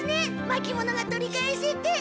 まきものが取り返せて！